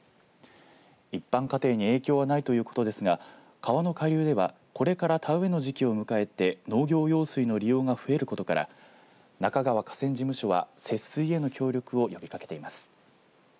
一般家庭に影響はないということですが川の下流ではこれから田植えの時期を迎えて農業用水の利用が増えることから那賀川河川事務所は節水への協力を呼びかけています。